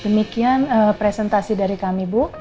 demikian presentasi dari kami bu